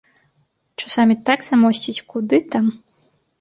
Часамі так замосціць, куды там!